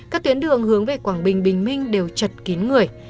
các tuyến đường hướng về quảng bình bình minh đều chật kín người